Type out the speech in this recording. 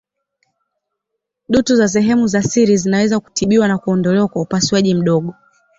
Dutu za sehemu za siri zinaweza kutibiwa na kuondolewa kwa upasuaji mdogo.